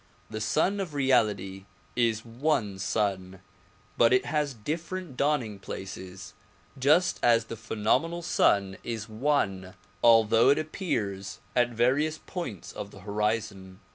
The Sun of Reality is one Sun but it has difiPerent dawning places, just as the phenomenal sun is one although it appears at various points of the horizon.